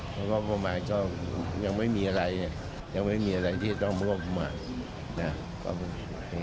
ภูมิประมาณก็ยังไม่มีอะไรยังไม่มีอะไรที่ต้องร่วมภูมิประมาณ